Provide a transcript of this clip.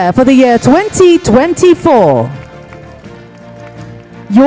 pemerintah pemerintah lau